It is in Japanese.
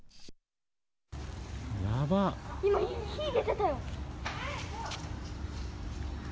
今、火出てたよ。